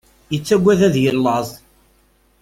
Yettaggad ad yellaẓ.